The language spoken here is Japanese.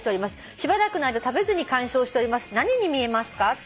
「しばらくの間食べずに観賞しております」「何に見えますか？」